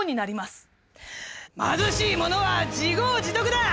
『貧しい者は自業自得だ！